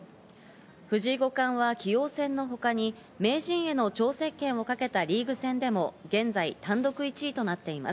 藤井五冠は棋王戦のほかに名人への挑戦権をかけたリーグ戦でも現在単独１位となっています。